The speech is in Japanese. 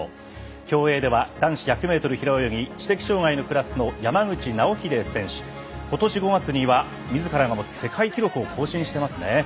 競泳では男子１００メートル平泳ぎ知的障がいのクラスの山口尚秀選手ことし５月にはみずからが持つ世界記録を更新していますね。